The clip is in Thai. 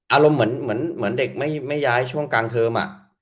อารมณ์เหมือนเด็กไม่ย้ายช่วงกลางเทอม